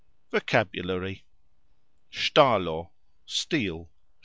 VOCABULARY. sxtalo : steel.